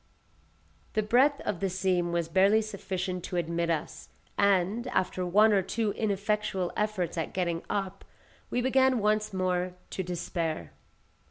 The breadth of the seam was barely sufficient to admit us, and, after one or two ineffectual efforts at getting up, we began once more to despair.